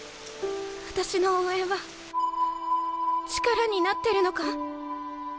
あたしの応援は力になってるのか？